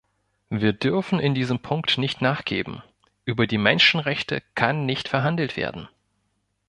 Wir dürfen in diesem Punkt nicht nachgeben: Über die Menschenrechte kann nicht verhandelt werden.